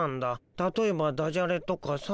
たとえばダジャレとかさ。